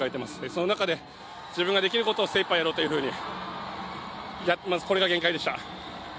その中で自分ができることを精いっぱいやろうというふうに、これが限界でした。